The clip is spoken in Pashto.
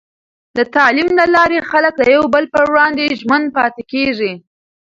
د تعلیم له لارې، خلک د یو بل پر وړاندې ژمن پاتې کېږي.